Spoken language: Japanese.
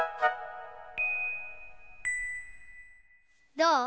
どう？